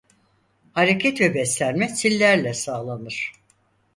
Hareket ve beslenme sillerle sağlanır.